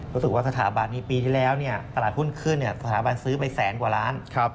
รู้สึกว่าสถาบันนี้ปีที่แล้วตลาดหุ้นขึ้นสถาบันซื้อไปแสนกว่าล้าน